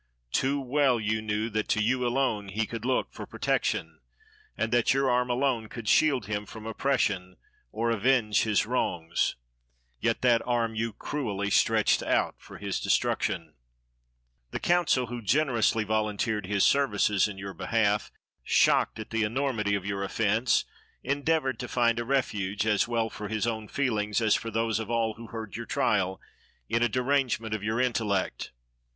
Too well you knew that to you alone he could look for protection; and that your arm alone could shield him from oppression, or avenge his wrongs; yet, that arm you cruelly stretched out for his destruction. The counsel, who generously volunteered his services in your behalf, shocked at the enormity of your offence, endeavored to find a refuge, as well for his own feelings as for those of all who heard your trial, in a derangement of your intellect.